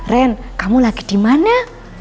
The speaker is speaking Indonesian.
ren kamu lagi dimana